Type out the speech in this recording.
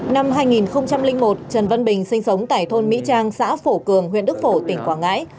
năm hai nghìn một trần văn bình sinh sống tại thôn mỹ trang xã phổ cường huyện đức phổ tỉnh quảng ngãi